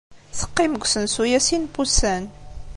Teqqim deg usensu-a sin n wussan.